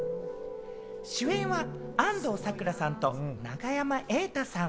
主演は安藤サクラさんと永山瑛太さん。